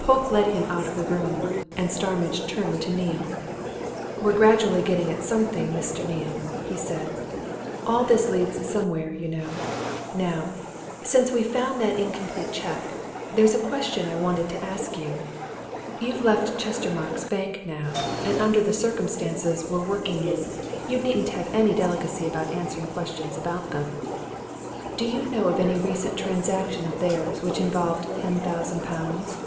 Polke led him out of the room, and Starmidge turned to Neale. "We're gradually getting at something, Mr. Neale," he said. "All this leads somewhere, you know. Now, since we found that incomplete cheque, there's a question I wanted to ask you. You've left Chestermarke's Bank now, and under the circumstances we're working in you needn't have any delicacy about answering questions about them. Do you know of any recent transaction of theirs which involved ten thousand pounds?"